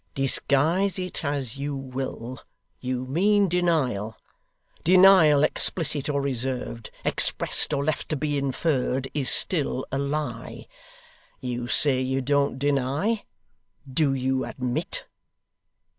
'Disguise it as you will, you mean denial. Denial explicit or reserved, expressed or left to be inferred, is still a lie. You say you don't deny. Do you admit?